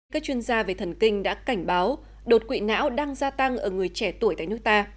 các chuyên gia về thần kinh đã cảnh báo đột quỵ não đang gia tăng ở người trẻ tuổi tại nước ta